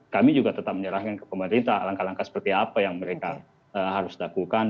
kami juga tetap menyerahkan ke pemerintah langkah langkah seperti apa yang mereka harus lakukan